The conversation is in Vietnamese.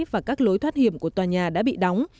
và các lối thoát hiểm của tòa nhà đã bị đóng